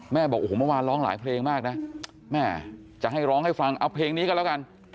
บอกโอ้โหเมื่อวานร้องหลายเพลงมากนะแม่จะให้ร้องให้ฟังเอาเพลงนี้ก็แล้วกัน